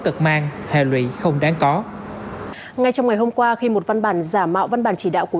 cực mang hệ lụy không đáng có ngay trong ngày hôm qua khi một văn bản giả mạo văn bản chỉ đạo của